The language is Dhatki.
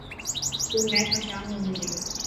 تون مين کان شام رو ملي.